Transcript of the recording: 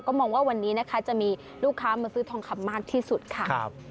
มองว่าวันนี้นะคะจะมีลูกค้ามาซื้อทองคำมากที่สุดค่ะ